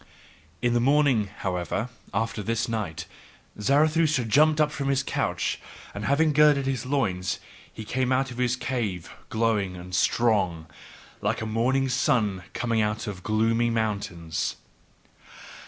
In the morning, however, after this night, Zarathustra jumped up from his couch, and, having girded his loins, he came out of his cave glowing and strong, like a morning sun coming out of gloomy mountains.